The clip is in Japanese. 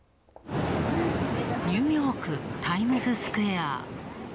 ニューヨーク、タイムズスクエア。